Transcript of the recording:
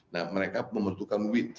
nah mereka membutuhkan wheat